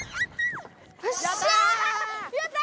やった！